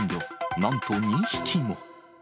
なんと２匹も。